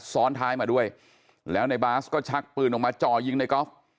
ซ้อนท้ายมาด้วยแล้วในบาสก็ชักปืนออกมาจ่อยิงในกอล์ฟ